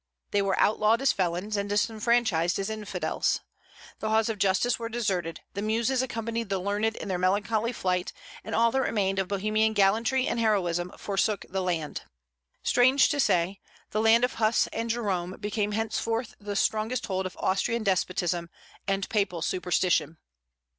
They were outlawed as felons, and disfranchised as infidels. The halls of justice were deserted, the Muses accompanied the learned in their melancholy flight, and all that remained of Bohemian gallantry and heroism forsook the land. Strange to say, the land of Huss and Jerome became henceforth the strongest hold of Austrian despotism and papal superstition.